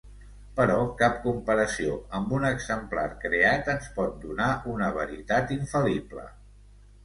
Però cap comparació amb un exemplar creat ens pot donar una veritat infal·lible.